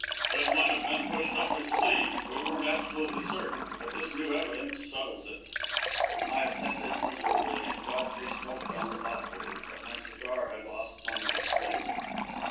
"It might have been pushed up his sleeve we weren't absolutely certain. But this new evidence settles it." I assented miserably and Godfrey smoked on thoughtfully. But my cigar had lost some of its flavour.